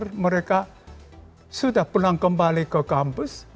tetapi mereka sudah pulang kembali ke kampus militer